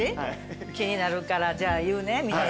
気になるからじゃあ言うね皆さんに。